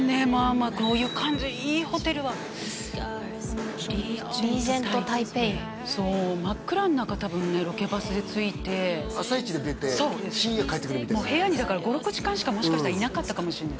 まあこういう感じいいホテルはリージェントタイペイそう真っ暗の中多分ねロケバスで着いて朝イチで出て深夜帰ってくるみたいな部屋にだから５６時間しかいなかったかもしれない